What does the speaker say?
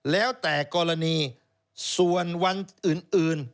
แล้วแต่กรณีส่วนวันอื่น